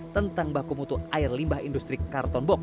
tentang baku mutu air limbah industri karton box